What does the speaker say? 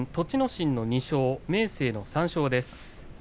心の２勝、明生３勝です。